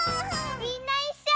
みんないっしょ！